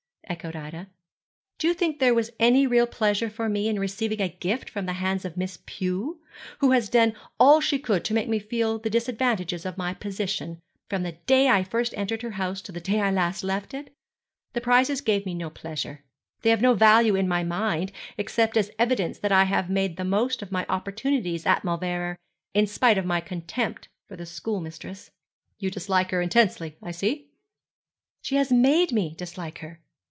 echoed Ida. 'Do you think there was any real pleasure for me in receiving a gift from the hands of Miss Pew, who has done all she could do to make me feel the disadvantages of my position, from the day I first entered her house to the day I last left it? The prizes gave me no pleasure. They have no value in my mind, except as an evidence that I have made the most of my opportunities at Mauleverer, in spite of my contempt for my schoolmistress.' 'You dislike her intensely, I see.' 'She has made me dislike her.